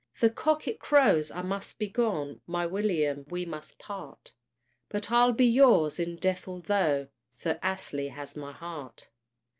The cock it crows I must be gone! My William, we must part! But I'll be yours in death, altho' Sir Astley has my heart.